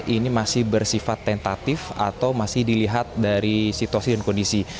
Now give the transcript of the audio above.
ini masih bersifat tentatif atau masih dilihat dari situasi dan kondisi